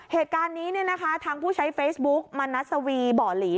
เหตุการณ์นี้เนี่ยนะคะทางผู้ใช้เฟซบุ๊กมณัสวีบ่อหลี